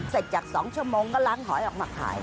เสร็จจาก๒ชั่วโมงก็ล้างหอยออกมาขาย